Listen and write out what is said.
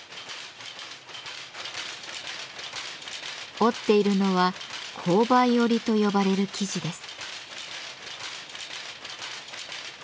織っているのは「紅梅織」と呼ばれる生地です。